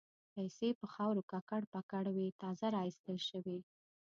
پیسې په خاورو ککړ پکر وې تازه را ایستل شوې.